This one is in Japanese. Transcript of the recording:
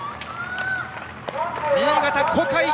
新潟、小海。